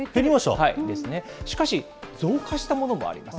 ですね、しかし、増加したものもあります。